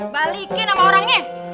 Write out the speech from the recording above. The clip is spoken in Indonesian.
balikin sama orangnya